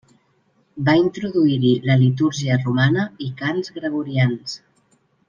Va introduir-hi la litúrgia romana i cants gregorians.